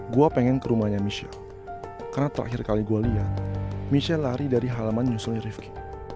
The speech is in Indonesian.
gue pengen ke rumahnya michelle karena terakhir kali gue lihat michelle lari dari halaman nyusulnya river